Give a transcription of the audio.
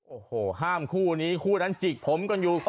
โอ้โหห้ามคู่นี้คู่นั้นจิกผมกันอยู่